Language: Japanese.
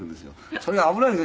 それが危ないんです